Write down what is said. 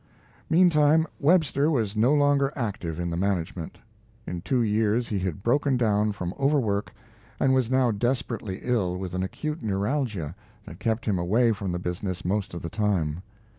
Meantime, Webster was no longer active in the management. In two years he had broken down from overwork, and was now desperately ill with an acute neuralgia that kept him away from the business most of the time.